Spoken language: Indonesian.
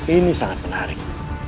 ini sangat menarik